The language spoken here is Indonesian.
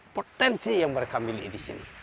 potensi yang mereka miliki di sini